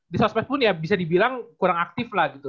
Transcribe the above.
di sosmed pun ya bisa dibilang kurang aktif lah gitu